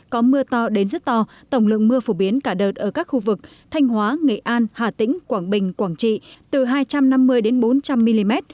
có mưa to đến rất to tổng lượng mưa phổ biến cả đợt ở các khu vực thanh hóa nghệ an hà tĩnh quảng bình quảng trị từ hai trăm năm mươi đến bốn trăm linh mm